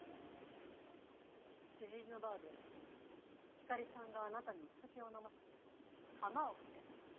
知人のバーで光莉さんがあなたにお酒を飲ませて鎌をかけたの。